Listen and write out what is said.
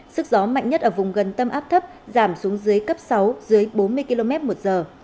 sức gió mạnh nhất ở vùng gần tâm áp thấp giảm xuống dưới cấp sáu dưới bốn mươi km một giờ